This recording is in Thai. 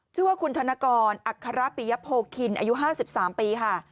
ชื่อว่าคุณธนกรอัคระปิพโภคินอายุห้าสิบสามปีค่ะ